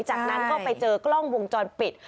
จากนั้นก็ไปเจอกล้องวงจรปิด